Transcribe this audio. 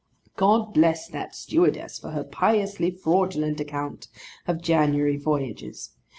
God bless that stewardess for her piously fraudulent account of January voyages!